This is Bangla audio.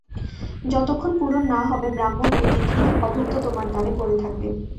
যতক্ষণ পূরণ না হবে, ব্রাহ্মণ অতিথি অভুক্ত তোমার দ্বারে পড়ে থাকবে।